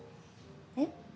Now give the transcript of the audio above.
えっ？